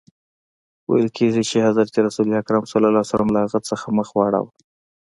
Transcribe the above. ویل کیږي چي حضرت رسول ص له هغه څخه مخ واړاوه.